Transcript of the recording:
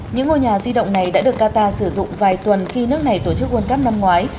những ngôi nhà di động này đã được qatar sử dụng vài tuần khi nước này tổ chức world cup năm ngoái